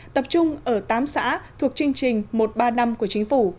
tập trung ở tám xã thuộc chương trình một ba năm của chính phủ